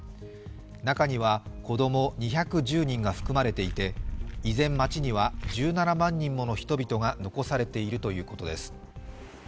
中には、子供２１０人が含まれていて依然、街には１７万人もの人々が残されているということです。